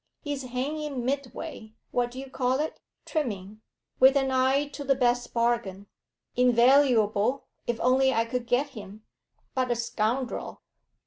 He's hanging midway what do you call it? trimming, with an eye to the best bargain. Invaluable, if only I could get him, but a scoundrel.